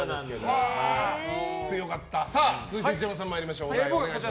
続いて、内山さん参りましょう。